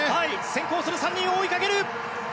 先行する３人を追いかける。